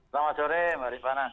selamat sore mbak ripana